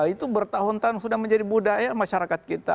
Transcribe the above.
itu bertahun tahun sudah menjadi budaya masyarakat kita